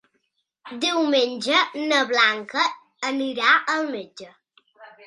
Diumenge na Blanca anirà al metge.